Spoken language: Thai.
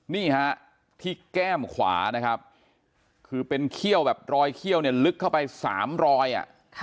นี่ฮะที่แก้มขวานะครับคือเป็นเขี้ยวแบบรอยเขี้ยวเนี่ยลึกเข้าไป๓รอยอ่ะ